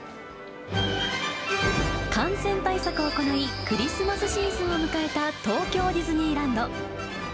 感染対策を行い、クリスマスシーズンを迎えた東京ディズニーランド。